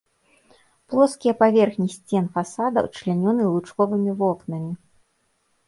Плоскія паверхні сцен фасадаў члянёны лучковымі вокнамі.